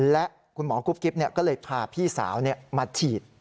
และคุณหมอกุ๊กกิ๊บก็เลยพาพี่สาวมาฉีด